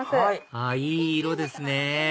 あいい色ですね